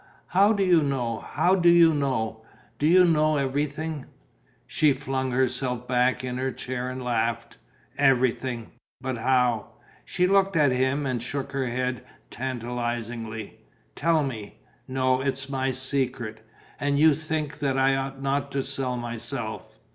How do you know? How do you know? Do you know everything?" She flung herself back in her chair and laughed: "Everything." "But how?" She looked at him and shook her head tantalizingly. "Tell me." "No. It's my secret." "And you think that I ought not to sell myself?"